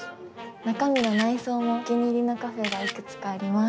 中身の内装もお気に入りのカフェがいくつかあります。